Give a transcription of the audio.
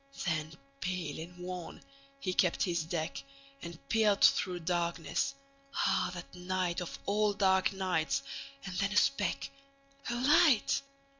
Then, pale and worn, he kept his deck, And peered through darkness. Ah, that nightOf all dark nights! And then a speck—A light!